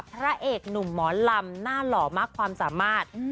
พระเอกหนุ่มหมอลำหน้าหล่อมากความสามารถ